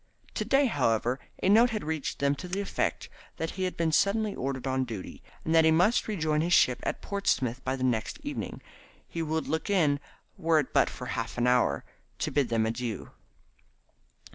To day, however, a note had reached them to the effect that he had been suddenly ordered on duty, and that he must rejoin his ship at Portsmouth by the next evening. He would look in, were it but for half an hour, to bid them adieu.